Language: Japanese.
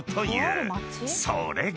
［それが］